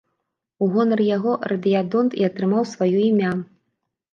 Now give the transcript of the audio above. У гонар яго радыядонт і атрымаў сваё імя.